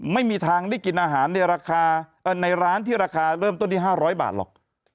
ไม่มีทางได้กินอาหารในราคาในร้านที่ราคาเริ่มต้นที่๕๐๐บาทหรอก